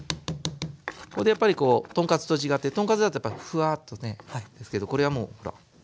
これでやっぱりこう豚カツと違って豚カツだとやっぱフワーッとねですけどこれはもうほら。